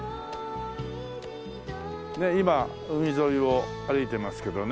今海沿いを歩いていますけどね。